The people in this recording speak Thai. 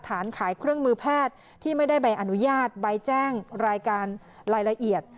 ขายเครื่องมือแพทย์ที่ไม่ได้ใบอนุญาตใบแจ้งรายการรายละเอียด